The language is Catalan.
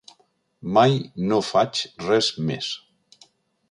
Mai no faig res més.